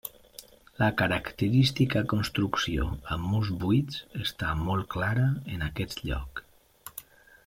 La característica construcció amb murs buits està molt clara en aquest lloc.